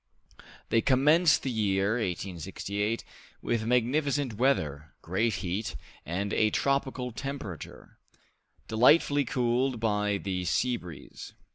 They commenced the year 1868 with magnificent weather, great heat, and a tropical temperature, delightfully cooled by the sea breeze.